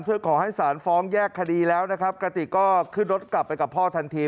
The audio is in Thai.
เพื่อขอให้สารฟ้องแยกคดีแล้วนะครับกระติกก็ขึ้นรถกลับไปกับพ่อทันที